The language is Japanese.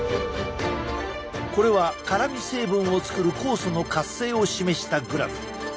これは辛み成分を作る酵素の活性を示したグラフ。